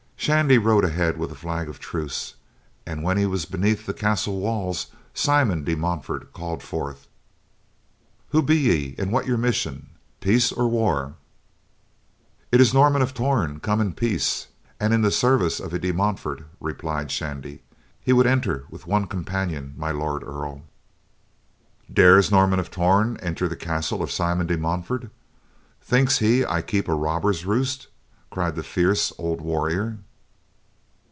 Shandy rode ahead with a flag of truce, and when he was beneath the castle walls Simon de Montfort called forth: "Who be ye and what your mission? Peace or war?" "It is Norman of Torn, come in peace, and in the service of a De Montfort," replied Shandy. "He would enter with one companion, my Lord Earl." "Dares Norman of Torn enter the castle of Simon de Montfort—thinks he that I keep a robbers' roost!" cried the fierce old warrior.